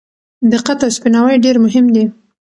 دقت او سپیناوی ډېر مهم دي.